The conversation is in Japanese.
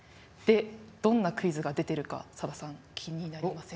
どんなクイズが出ているかさださん、気になりませんか？